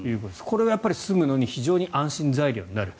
これがやっぱり住むのに非常に安心材料になる。